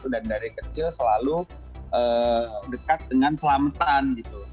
dan dari kecil selalu dekat dengan selamatan